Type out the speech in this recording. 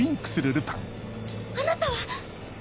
あなたは！